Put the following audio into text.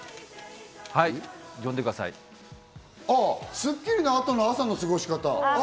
『スッキリ』の後の朝の過ごし方は？